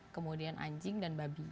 kemudian anjing dan babi